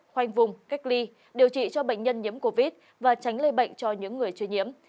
khoanh vùng cách ly điều trị cho bệnh nhân nhiễm covid và tránh lây bệnh cho những người chưa nhiễm